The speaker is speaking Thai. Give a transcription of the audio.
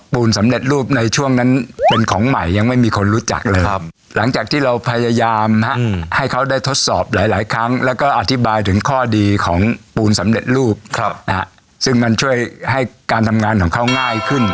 ปูนสำเร็จรูปครับครับอ่ะซึ่งมันช่วยให้การทำงานของเขาง่ายขึ้น